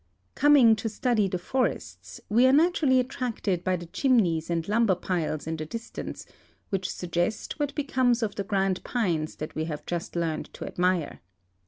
Coming to study the forests, we are naturall}'' attracted by the chimneys and lumber piles in the distance, which suggest what becomes of the grand pines that we have just learned to admire.